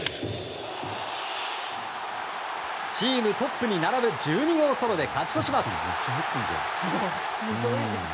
チームトップに並ぶ１２号ソロで勝ち越します。